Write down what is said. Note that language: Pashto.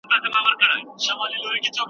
لیکلي اسناد د شخړو مخنیوی کوي.